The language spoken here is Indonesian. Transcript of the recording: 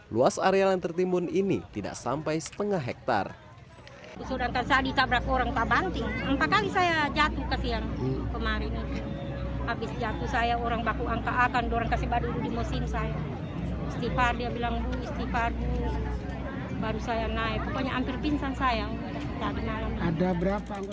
luas area yang tertimbun ini tidak sampai setengah hektare